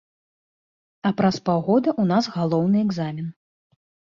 А праз паўгода ў нас галоўны экзамен.